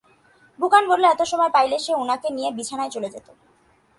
বুকান বলল এত সময় পাইলে সে উনাকে নিয়ে বিছানায় চলে যেত।